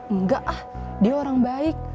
enggak ah dia orang baik